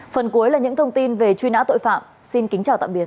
phần cuối là những thông tin về truy nã tội phạm xin kính chào tạm biệt